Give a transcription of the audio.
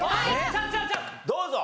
どうぞ。